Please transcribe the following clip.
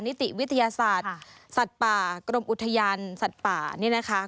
นิติวิทยาศาสตร์สัตว์ป่ากรมอุทยานสัตว์ป่านี่นะคะ